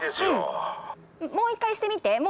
もう一回してみて。